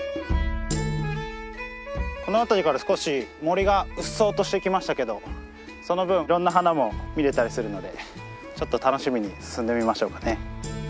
この辺りから少し森が鬱蒼としてきましたけどその分いろんな花も見れたりするのでちょっと楽しみに進んでみましょうかね。